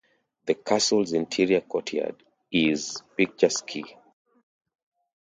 The castle's interior courtyard is picturesque.